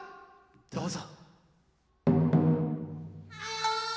どうぞ。